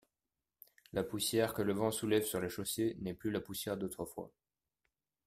La poussière que le vent soulève sur la chaussée n'est plus la poussière d'autrefois.